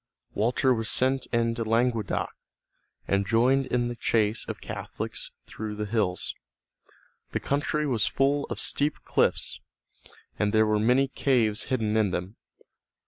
Walter was sent into Languedoc, and joined in the chase of Catholics through the hills. The country was full of steep cliffs, and there were many caves hidden in them.